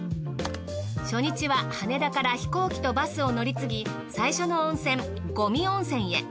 初日は羽田から飛行機とバスを乗り継ぎ最初の温泉五味温泉へ。